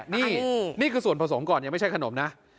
นี่นี่คือส่วนผสมก่อนยังไม่ใช่ขนมนะ